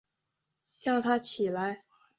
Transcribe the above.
叫他起来